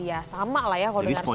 ya sama lah ya kalau dengar suaranya